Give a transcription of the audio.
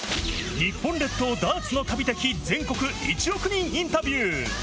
日本列島ダーツの旅的全国１億人インタビュー。